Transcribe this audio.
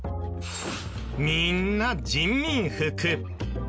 みんな人民服。